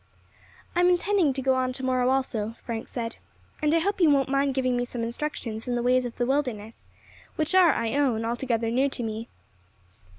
"I am intending to go on to morrow also," Frank said, "and I hope you won't mind giving me some instructions in the ways of the wilderness, which are, I own, altogether new to me."